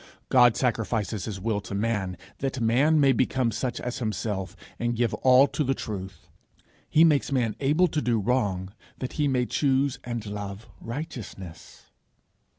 God sacrifices his will to man that man may become such as himself, and give all to the truth; he makes man able to do wrong, that he may choose and love righteousness.